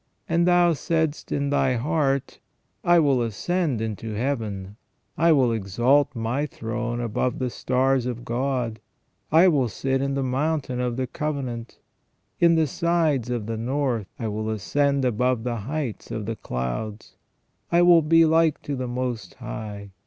And thou saidst in thy heart, I will ascend into Heaven, I will exalt my throne above the stars of God, I will sit in the mountain of the Covenant, in the sides of the North, I will ascend above the heights of the clouds, I will be like to the Most High.